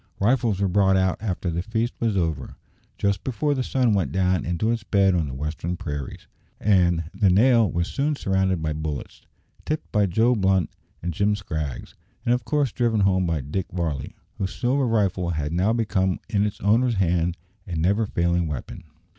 Rifles were brought out after the feast was over, just before the sun went down into its bed on the western prairies, and "the nail" was soon surrounded by bullets, tipped by Joe Blunt and Jim Scraggs, and of course driven home by Dick Varley, whose "silver rifle" had now become in its owner's hand a never failing weapon.